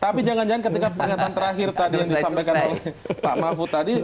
tapi jangan jangan ketika pernyataan terakhir tadi yang disampaikan oleh pak mahfud tadi